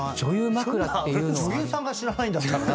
女優さんが知らないんだったら。